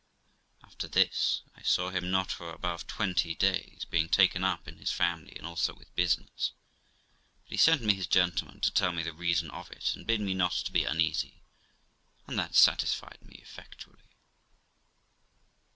After this, I saw him not for above twenty days, being taken up in his family, and also with business; but he sent me his gentleman to tell me the reason of it, and bid me not to be uneasy, and that satisfied me effectually.